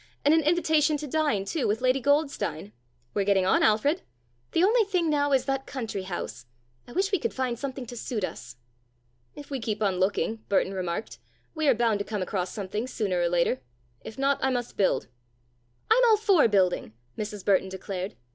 And an invitation to dine, too, with Lady Goldstein. We're getting on, Alfred. The only thing now is that country house. I wish we could find something to suit us." "If we keep on looking," Burton remarked, "we are bound to come across something sooner or later. If not, I must build." "I'm all for building," Mrs. Burton declared.